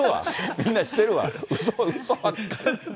みんなしてるわ！